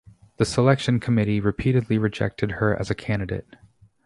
The selection committee repeatedly rejected her as a candidate.